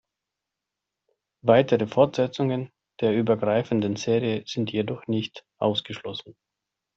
Weitere Fortsetzungen der übergreifenden Serie sind jedoch nicht ausgeschlossen.